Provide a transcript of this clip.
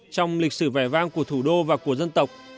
trong lịch sử vẻ vang của thủ đô và của dân tộc